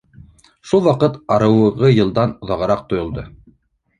Шул ваҡыт арауығы йылдан оҙағыраҡ тойолдо.